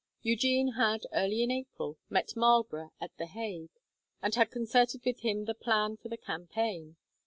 Eugene had, early in April, met Marlborough at the Hague, and had concerted with him the plan for the campaign.